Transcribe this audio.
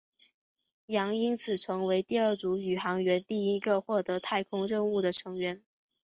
杨因此成为了第二组宇航员第一个获得太空任务的成员。